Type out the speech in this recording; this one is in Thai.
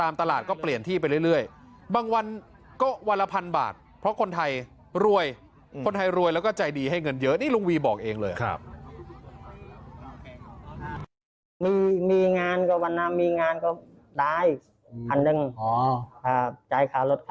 มีการแบ่งใจรวยและก็ใจดีให้เงินเยอะนี่ลุงวีบอกเองเลย